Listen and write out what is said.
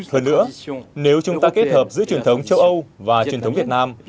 hơn nữa nếu chúng ta kết hợp giữa truyền thống châu âu và truyền thống việt nam